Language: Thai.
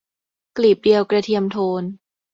กลีบเดียวกระเทียมโทน